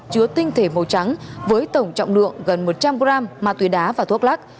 chứa tinh thể màu trắng với tổng trọng lượng gần một trăm linh gram ma túy đá và thuốc lắc